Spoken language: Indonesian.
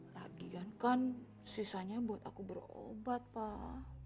lagian kan sisanya buat aku berobat pak